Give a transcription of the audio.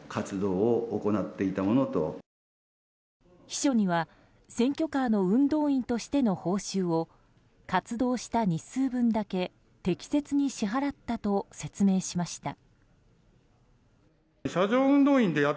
秘書には選挙カーの運動員としての報酬を活動した日数分だけ適切に支払ったと説明しました。